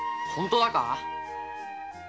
ほんとだか？